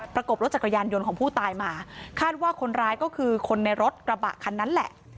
กบรถจักรยานยนต์ของผู้ตายมาคาดว่าคนร้ายก็คือคนในรถกระบะคันนั้นแหละ